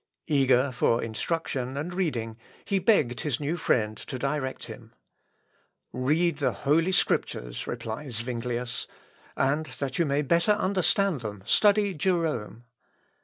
Eager for instruction and reading, he begged his new friend to direct him. "Read the Holy Scriptures," replied Zuinglius, "and that you may the better understand them, study Jerome.